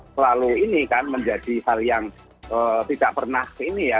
selalu ini kan menjadi hal yang tidak pernah ini ya